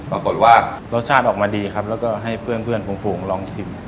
ปรากฏว่ารสชาติออกมาดีครับแล้วก็ให้เพื่อนฝูงลองชิม